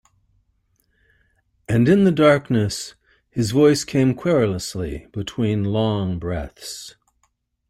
And in the darkness his voice came querulously between long breaths.